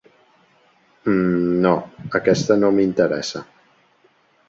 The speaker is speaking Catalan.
Mm no, aquest no m'interessa.